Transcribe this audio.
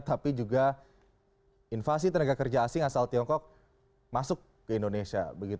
tapi juga invasi tenaga kerja asing asal tiongkok masuk ke indonesia